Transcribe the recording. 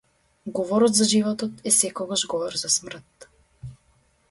Говорот за животот е секогаш говор за смртта.